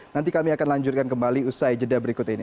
nanti kami akan lanjutkan kembali usai jeda berikut ini